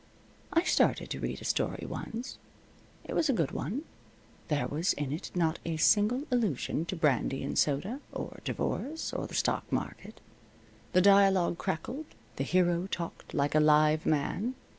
I started to read a story once. It was a good one. There was in it not a single allusion to brandy and soda, or divorce, or the stock market. The dialogue crackled. The hero talked like a live man.